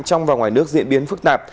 trong và ngoài nước diễn biến phức tạp